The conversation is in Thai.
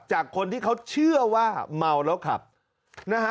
จากคนที่เขาเชื่อว่าเมาแล้วขับนะฮะ